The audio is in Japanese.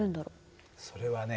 それはね